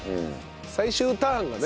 最終ターンがね。